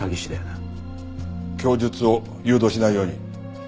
供述を誘導しないように。